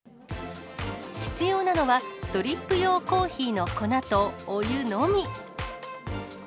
必要なのは、ドリップ用コーヒーの粉とお湯のみ。